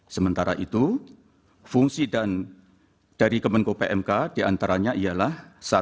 sementara itu fungsi dan dari kemenko pmk diantaranya ialah satu